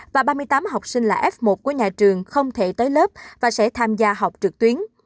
và ba mươi tám học sinh là f một của nhà trường không thể tới lớp và sẽ tham gia học trực tuyến